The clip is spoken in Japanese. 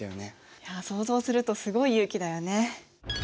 いや想像するとすごい勇気だよね。